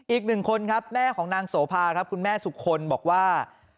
อีกหนึ่งคนครับแม่ของนางโสภาครับคุณแม่สุคลบอกว่า